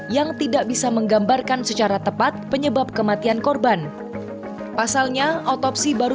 yang tidak bisa menggambarkan secara tepat penyebab kematian korban pasalnya otopsi baru